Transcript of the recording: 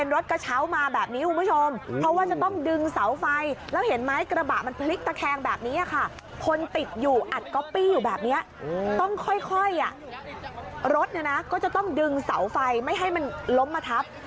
รถก็จะต้องดึงเสาไฟไม่ให้มันล้มมาทับ